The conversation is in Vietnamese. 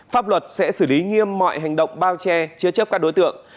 pháp luật sẽ xử lý nghiêm mọi hành động bao che chứa chấp các đối tượng